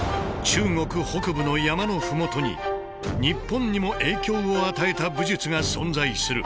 中国北部の山の麓に日本にも影響を与えた武術が存在する。